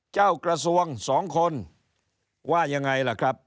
เจ้ากระทรวง๒คนว่ายังไงล่ะครับ